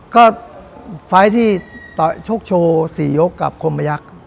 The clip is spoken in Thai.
ก็ไฟล์ที่ชกโชว์๔ยกกับคมพยักษ์